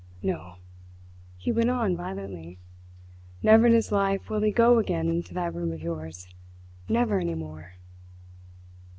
No!" he went on violently. "Never in his life will he go again into that room of yours never any more!"